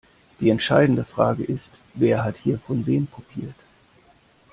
Die entscheidende Frage ist, wer hat hier von wem kopiert?